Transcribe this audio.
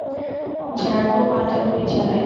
র্যাবও পাল্টা গুলি চালায়।